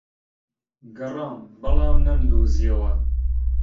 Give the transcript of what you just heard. گەڕام، بەڵام نەمدۆزییەوە.